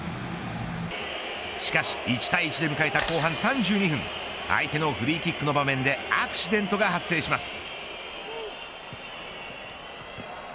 しかし１対１で迎えた後半３２分相手のフリーキックの場面でアクシデントが発生します。